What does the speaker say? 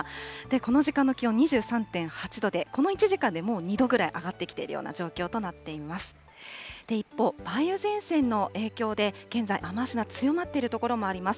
この時間の気温２３．８度で、この１時間でもう２度ぐらい上がってきているような状況となっています。